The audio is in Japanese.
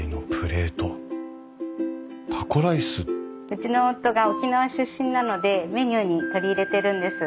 うちの夫が沖縄出身なのでメニューに取り入れてるんです。